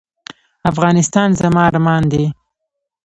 افغانستان زما ارمان دی